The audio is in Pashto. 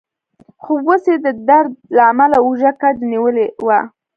خو اوس يې د درد له امله اوږه کج نیولې وه.